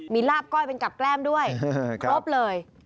มีลาบก้อยเป็นกับแก้มด้วยครบเลย